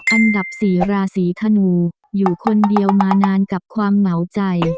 อันดับ๔ราศีธนูอยู่คนเดียวมานานกับความเหงาใจ